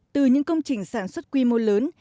từ những công trình sản xuất quy mô lớn